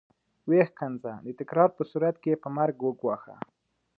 ويې ښکنځه د تکرار په صورت کې يې په مرګ وګواښه.